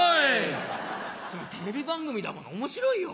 そりゃテレビ番組だもの面白いよ。